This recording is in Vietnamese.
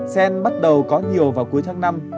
sen bắt đầu có nhiều vào cuối tháng năm